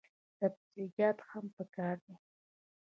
سبزیجات هم پکار دي.